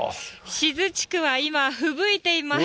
志津地区は今、ふぶいています。